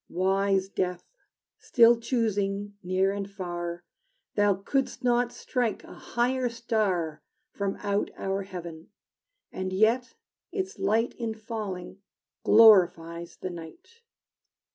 Wise Death, still choosing near and far, Thou couldst not strike a higher star From out our heaven, and yet its light In falling glorifies the night!